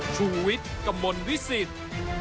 ชุวิตกำมลวิสิทธิ์